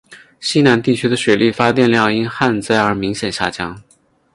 西南地区的水力发电量因旱灾而明显下降。